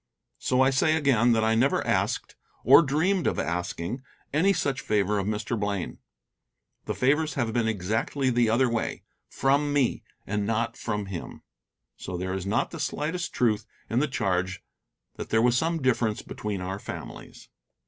So I say again that I never asked, or dreamed of asking, any such favor of Mr. Blaine. The favors have been exactly the other way from me, and not from him. So there is not the slightest truth in the charge that there was some difference between our families.